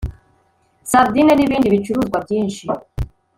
sardine n’ibindi bicuruzwa byinshi